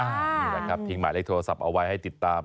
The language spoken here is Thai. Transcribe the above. นี่แหละครับทิ้งหมายเลขโทรศัพท์เอาไว้ให้ติดตาม